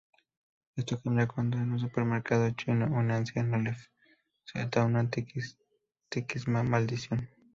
Esto cambia cuando en un supermercado chino, una anciana le suelta una antiquísima maldición.